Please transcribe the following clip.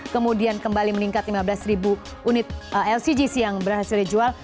kemudian kembali meningkat lima belas ribu unit lcgc yang berhasil dijual